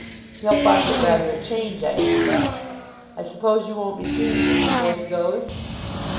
"He'll find it rather a change, I expect. I suppose you won't be seeing him before he goes?"